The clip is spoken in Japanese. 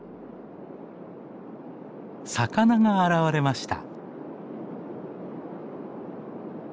魚が現れました。